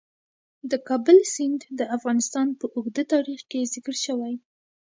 د کابل سیند د افغانستان په اوږده تاریخ کې ذکر شوی.